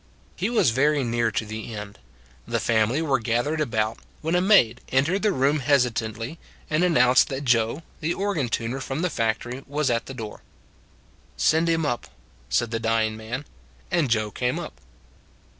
He was very near to the end; the family were gathered about, when a maid entered the room hesitatingly and announced that Joe, the organ tuner from the factory, was at the door. " Send him up," said the dying man; and Joe came up.